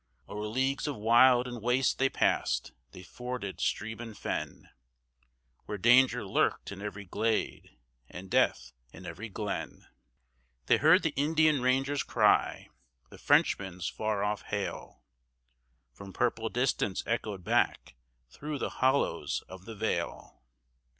O'er leagues of wild and waste they passed, they forded stream and fen, Where danger lurked in every glade, and death in every glen; They heard the Indian ranger's cry, the Frenchman's far off hail, From purple distance echoed back through the hollows of the vale.